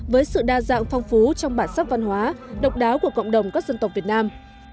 với sự đa dạng phong phú trong bản sắc văn hóa độc đáo của cộng đồng các dân tộc việt nam